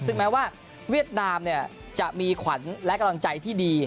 ซึ่งแม้ว่าเวียดนามจะมีขวัญและกำลังใจที่ดี